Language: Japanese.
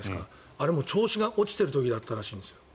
あれも調子が落ちている時だったらしいんですよ。